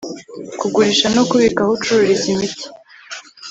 kugurisha no kubika aho ucururiza imiti